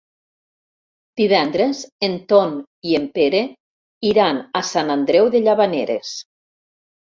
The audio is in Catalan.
Divendres en Ton i en Pere iran a Sant Andreu de Llavaneres.